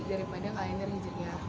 daripada kalender hijriyah